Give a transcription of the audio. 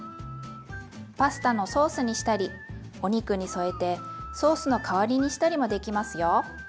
パスタのソースにしたりお肉に添えてソースの代わりにしたりもできますよ。